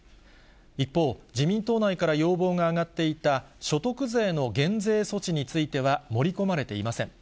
一方、自民党内から要望が上がっていた、所得税の減税措置については、盛り込まれていません。